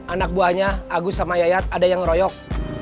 anak buahnya agus sama yayat ada yang ngeroyok